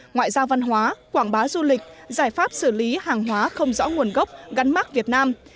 ngoại giao văn hóa quảng bá du lịch giải pháp xử lý hàng hóa không rõ nguồn gốc gắn mát việt nam